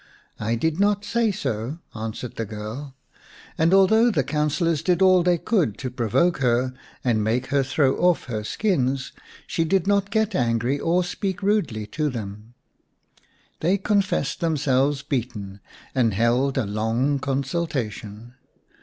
" I did not say so," answered the girl ; and although the councillors did all they could to provoke her and make her throw off her skins, she did not get angry or speak rudely to them. They confessed themselves beaten, and held a long consultation.